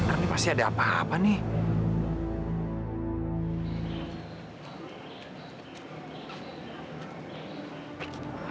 tapi pasti ada apa apa nih